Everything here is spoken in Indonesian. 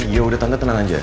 yaudah tante tenang aja